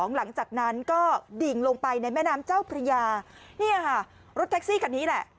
หลังจากนั้นก็ดิ่งลงไปในแม่น้ำเจ้าพระยาเนี่ยค่ะรถแท็กซี่คันนี้แหละ